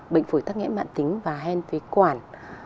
bệnh phủy tắc nghẽ mạng tính và hen phế quản